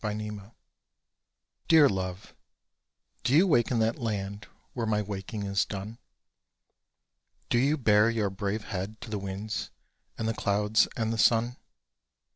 IN THE GRAVE Dear Love do you wake in that land where my waking is done? Do you bare your brave head to the winds and the clouds and the sun?